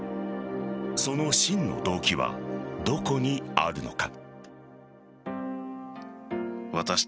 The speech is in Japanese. その真の動機はどこにあるのか。